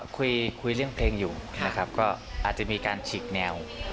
คุยคุยเรื่องเพลงอยู่นะครับก็อาจจะมีการฉีกแนว